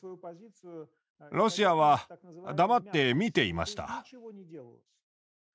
ロシアは黙って見ていました。